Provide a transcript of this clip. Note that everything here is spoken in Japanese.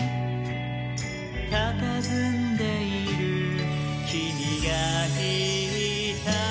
「たたずんでいるきみがいた」